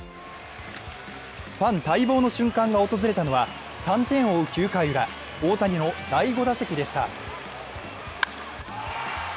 ファン待望の瞬間が訪れたのは３点を追う９回ウラ、大谷の第５打席でした。